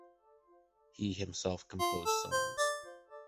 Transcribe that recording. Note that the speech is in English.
He himself composed songs.